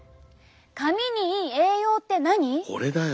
髪にいい栄養って何？